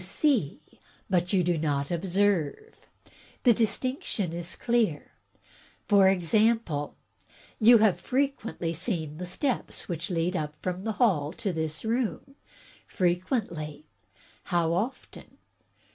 "You see, but you do not observe. The distinction is clear. For example you have frequently seen the steps which lead up from the hall to this room." "Frequently." "How often?"